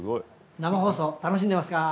生放送、楽しんでいますか？